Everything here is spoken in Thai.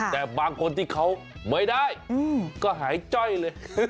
แต่บางคนที่เขาไม่ได้ก็หายจ้อยเลย